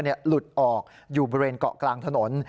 หลุดออกอยู่บริเวณเกาะกลางถนน